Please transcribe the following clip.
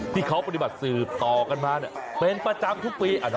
ที่เขาปฏิบัติสืนต่อกันมาเนี่ย